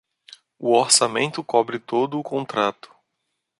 O orçamento cobre todo o contrato.